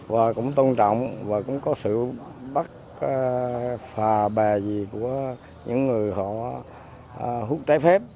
và cũng tôn trọng và cũng có sự bắt phà bè gì của những người họ hút trái phép